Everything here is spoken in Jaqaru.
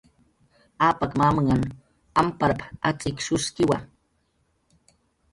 "Apak mamnhan amparp"" atz'ikshuskiwa"